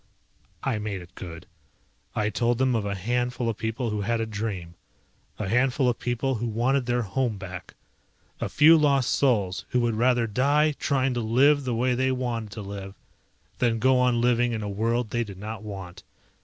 I made it good. I told them of a handful of people who had a dream. A handful of people who wanted their home back. A few lost souls who would rather die trying to live the way they wanted to live than go on living in a world they did not want.